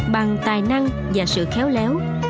bằng tài năng và sự khéo léo